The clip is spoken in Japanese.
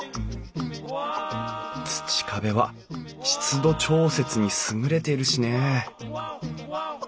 土壁は湿度調節に優れているしね